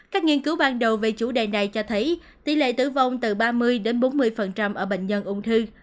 các nghiên cứu ban đầu về chủ đề này cho thấy tỷ lệ tử vong từ ba mươi đến bốn mươi ở bệnh nhân ung thư